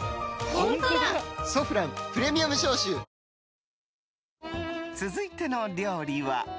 「ソフランプレミアム消臭」続いての料理は。